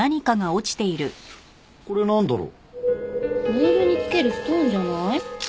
ネイルに付けるストーンじゃない？